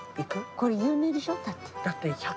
これ有名でしょだって。